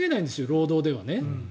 労働では。